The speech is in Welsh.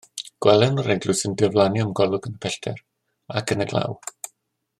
Gwelwn yr eglwys yn diflannu o'm golwg yn y pellter ac yn y glaw.